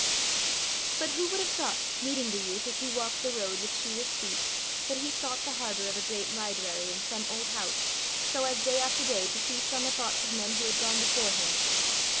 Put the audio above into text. But who would have thought, meeting the youth as he walked the road with shoeless feet, that he sought the harbour of a great library in some old house, so as day after day to feast on the thoughts of men who had gone before him!